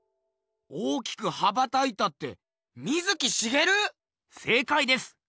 大きく羽ばたいたって水木しげる⁉せいかいです！